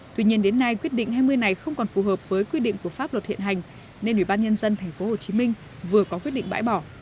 tuy nhiên đến nay quyết định hai mươi này không còn phù hợp với quyết định của pháp luật hiện hành nên ubnd tp hcm vừa có quyết định bãi bỏ